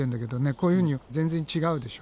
こういうふうに全然違うでしょ。